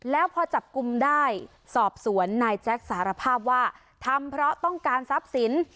แล้วพอจับกลุ่มได้สอบสวนนายแจ็คสารภาพว่าทำเพราะต้องการทรัพย์สิน